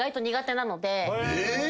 えっ！？